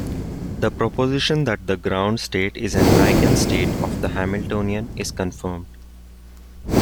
The proposition that the ground state is an eigenstate of the Hamiltonian is confirmed.